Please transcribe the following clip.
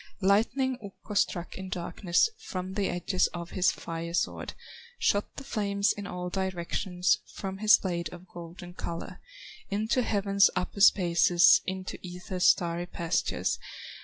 Lightning Ukko struck in darkness From the edges of his fire sword; Shot the flames in all directions, From his blade of golden color, Into heaven's upper spaces, Into Ether's starry pastures.